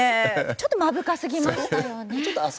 ちょっと目深すぎましたよね。